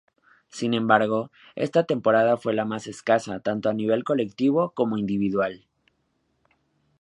Sin embargo, esta temporada fue la más escasa tanto a nivel colectivo como individual.